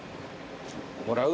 もらう？